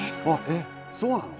えっそうなの？